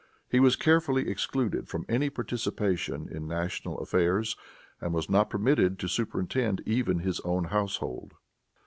He was carefully excluded from any participation in national affairs and was not permitted to superintend even his own household.